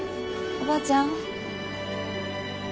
おばあちゃん。